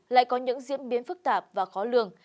lại có những diễn biến phức tạp và khó lường